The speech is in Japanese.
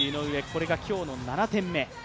これが今日の７点目。